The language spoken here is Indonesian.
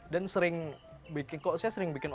dan sering bikin kok saya sering bikin